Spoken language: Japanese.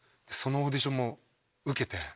そのオーディションも受けて。